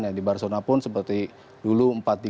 yang di barcelona pun seperti dulu empat tiga tiga